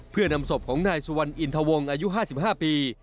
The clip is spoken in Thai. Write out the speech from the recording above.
เพื่อนำศพของนายสุวรรณอินทวงอายุ๕๕ปี